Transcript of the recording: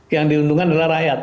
yang diuntungkan adalah rakyat